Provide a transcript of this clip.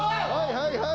はいはい！